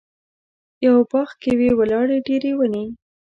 یوه باغ کې وې ولاړې ډېرې ونې.